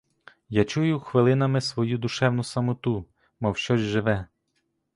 Я чую хвилинами свою душевну самоту, мов щось живе.